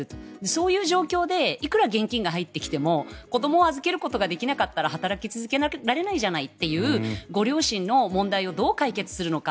そういう状況でいくら現金が入ってきても子どもを預けることができなかったら働き続けられないじゃないというご両親の問題をどう解決するのか。